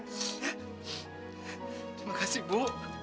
terima kasih bu